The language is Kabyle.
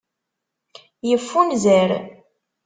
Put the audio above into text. Yeffunzer.